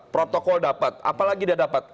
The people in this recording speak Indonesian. protokol dapat apalagi dia dapat